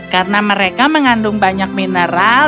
karena mereka mengandung banyak mineral